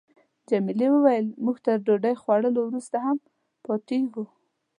جميلې وويل: موږ تر ډوډۍ خوړلو وروسته هم پاتېږو.